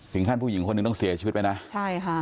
ผู้หญิงคนหนึ่งต้องเสียชีวิตไปนะใช่ค่ะ